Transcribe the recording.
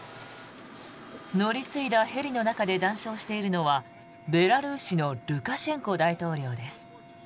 乗り継いだヘリの中で談笑しているのはベラルーシのルカシェンコ大統領です。